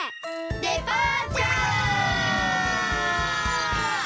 デパーチャー！